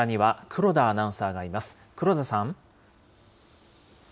黒田さん。